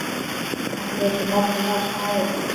喊着什么不要杀我